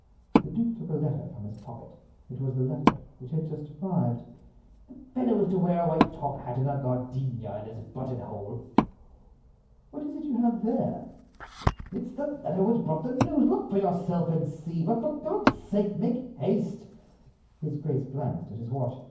The duke took a letter from his pocket—it was the letter which had just arrived. "The fellow is to wear a white top hat, and a gardenia in his buttonhole." "What is it you have there?" "It's the letter which brought the news—look for yourself and see; but, for God's sake, make haste!" His grace glanced at his watch.